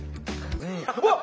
うわっ！